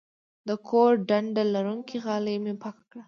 د کور ډنډه لرونکې غالۍ مې پاکه کړه.